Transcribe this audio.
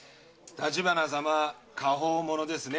立花様は果報者ですね。